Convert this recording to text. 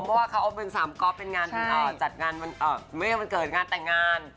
เพราะว่าเขาเอาเป็นสามก๊อฟเป็นงานจัดงานไม่ใช่วันเกิดงานแต่งงาน